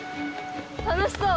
楽しそう！